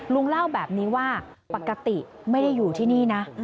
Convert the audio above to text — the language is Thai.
ลุงเล่าแบบนี้ว่าปกติไม่ได้อยู่ที่นี่นะ